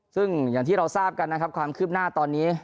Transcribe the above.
ซึ่งอย่างที่เราทราบกันนะครับความคืบหน้าตอนนี้